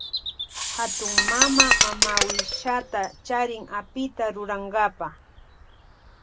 Hatun mama mamawishata charin apita rurankapa.